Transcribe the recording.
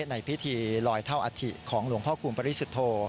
ในพิธีลอยเท่าอัฐิของหลวงพ่อคูณปริสุทธโธ